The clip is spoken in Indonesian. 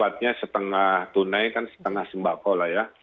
sifatnya setengah tunai kan setengah sembako lah ya